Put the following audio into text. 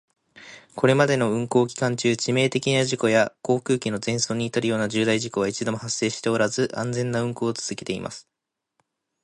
これまでの運航期間中、致命的な事故や航空機の全損に至るような重大事故は一度も発生しておらず、安全な運航を続けています。